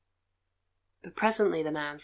But presently the man said.